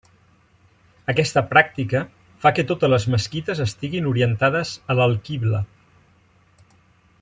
Aquesta pràctica fa que totes les mesquites estiguin orientades a l'alquibla.